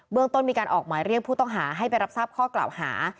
ต้นมีการออกหมายเรียกผู้ต้องหาให้ไปรับทราบข้อกล่าวหา